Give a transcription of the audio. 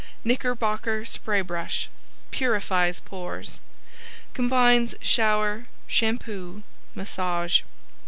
Knickerbocker Spraybrush "Purifies Pores" Combines shower shampoo massage.